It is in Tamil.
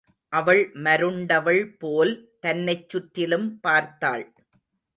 அவள் மருண்டவள் போல் தன்னைச் சுற்றிலும் பார்த்தாள்.